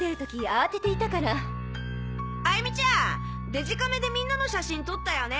デジカメでみんなの写真撮ったよね？